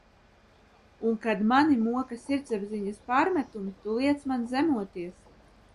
Un, kad mani moka sirdsapziņas pārmetumi, tu Iiec man zemoties?